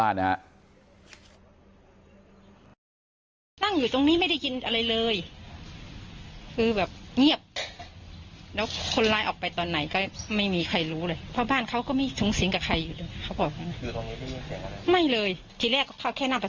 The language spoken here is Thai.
อ่าเดี๋ยวฟังกับบ้านนะครับ